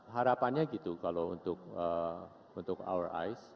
harapannya gitu kalau untuk our ice